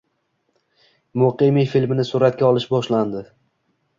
Muqimiy filmini suratga olish boshlandi